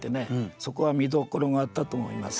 そこは見どころがあったと思います。